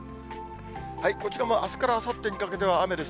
こちらもあすからあさってにかけては、雨です。